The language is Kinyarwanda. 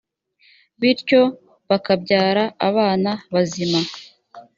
bityo bakabyara abana bazima